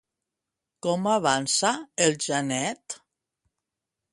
Com avançava el Janet?